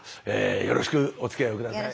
よろしくおつきあいを下さい。